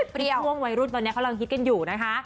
ช่วงวัยรุ่นตอนนี้กำลังฮิตกันอยู่นะคะ